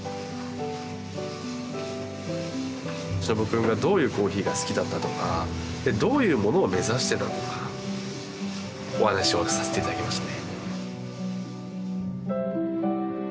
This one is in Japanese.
忍くんがどういうコーヒーが好きだったとかどういうものを目指してたとかお話をさせて頂きましたね。